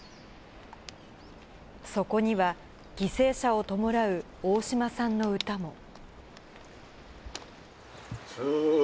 そこには、犠牲者を弔う大島さんの歌も。